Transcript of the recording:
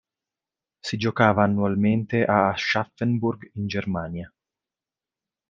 Si giocava annualmente a Aschaffenburg in Germania.